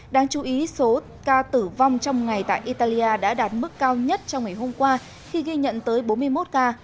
đáng chú ý số ca tử vong trong ngày tại italia đã đạt mức cao nhất trong ngày hôm qua khi ghi nhận tới bốn mươi một ca